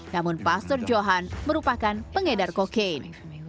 namun pastor johan merupakan pengedar kokain